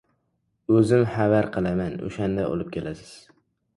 O‘zim xabar qilaman, o‘shanda olib kelasiz.